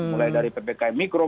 mulai dari ppkm mikro